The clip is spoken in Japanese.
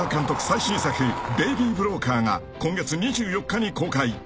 最新作『ベイビー・ブローカー』が今月２４日に公開］